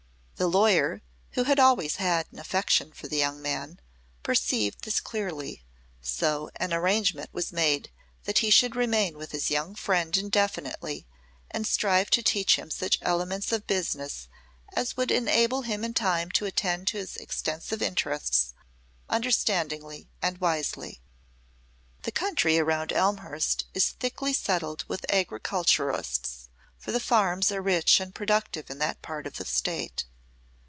The lawyer, who had always had an affection for the young man, perceived this clearly; so an arrangement was made that he should remain with his young friend indefinitely and strive to teach him such elements of business as would enable him in time to attend to his extensive interests understandingly and wisely. The country around Elmhurst is thickly settled with agriculturists, for the farms are rich and productive in that part of the state.